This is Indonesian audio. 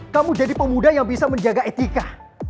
kamu jadi pemuda yang bisa menjaga etika